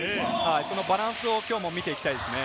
そのバランスをきょうも見ていきたいですね。